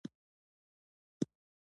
د دې غوا عاقبت ښه نه راته ښکاري